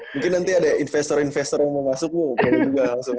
mungkin nanti ada investor investor yang mau masuk mau beli juga langsung ya